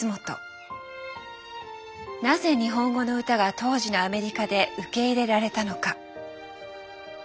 なぜ日本語の歌が当時のアメリカで受け入れられたのか。